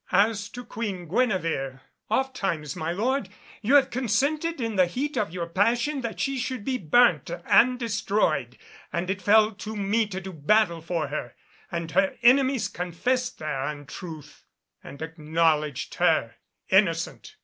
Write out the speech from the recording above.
As to Queen Guenevere, ofttimes, my lord, you have consented in the heat of your passion that she should be burnt and destroyed, and it fell to me to do battle for her, and her enemies confessed their untruth, and acknowledged her innocent.